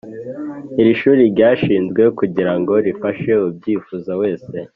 iri shuri ryashinzwe kugirango rifashe ubyifuza wese